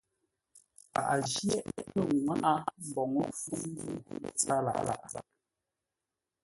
Paghʼə jyéʼ lə́ ŋwáʼá mbǒu fúŋ zə̂u lə́ tsâr lâʼ zághʼə.